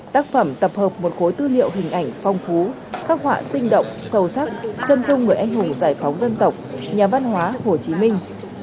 tác phẩm tập hợp một khối tư liệu hình ảnh phong phú khắc họa sinh động sâu sắc chân dung người anh hùng giải phóng dân tộc nhà văn hóa hồ chí minh